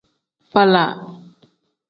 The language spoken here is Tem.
Faala.